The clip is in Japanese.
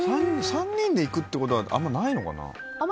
３人で行くってことがあまりないのかな。